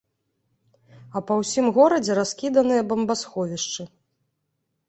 А па ўсім горадзе раскіданыя бомбасховішчы.